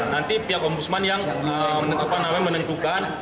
nanti pihak ombudsman yang menentukan